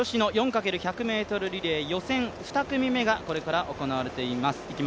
×１００ｍリレー予選２組目がこれから行われていきます。